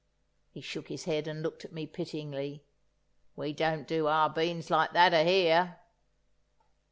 He shook his head and looked at me pityingly: "We don't do our beans like that a here."